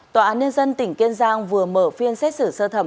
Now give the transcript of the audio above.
tòa án nhân dân tỉnh kiên giang vừa mở phiên xét xử sơ thẩm